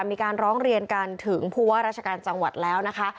มีการร้องเรียนกันถึงผู้ว่าราชการจังหวัดแล้วนะคะ